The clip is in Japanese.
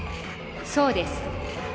「そうです」。